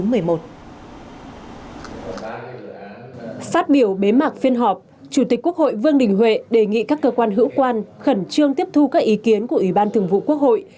phát biểu bế mạc phiên họp chủ tịch quốc hội vương đình huệ đề nghị các cơ quan hữu quan khẩn trương tiếp thu các ý kiến của ủy ban thường vụ quốc hội